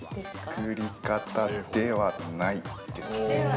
◆作り方ではないですね。